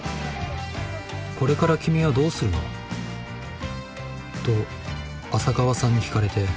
これから君はどうするの？と浅川さんに聞かれて。